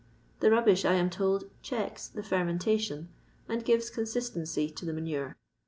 The rubbish, I am told, checks the fermentation, and gives consistency to the manure.